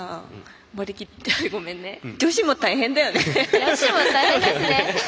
女子も大変ですね。